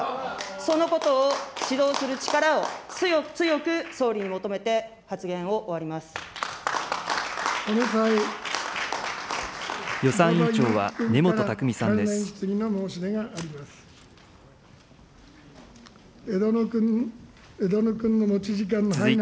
そのことを、指導する力を強く強く総理に求めて、発言を終わりま予算委員長は、根本匠さんで枝野君、枝野君の持ち時間の範囲内で。